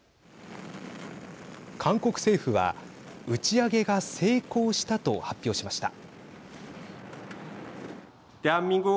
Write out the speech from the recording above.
韓国政府は打ち上げが成功したと発表しました。